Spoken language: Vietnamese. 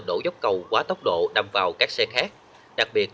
đổ dốc cầu quá tốc độ đâm vào các xe khác